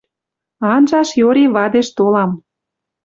Анжаш йори вадеш толам...